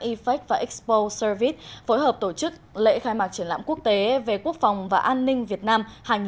e fact và expo service phối hợp tổ chức lễ khai mạc triển lãm quốc tế về quốc phòng và an ninh việt nam hai nghìn một mươi chín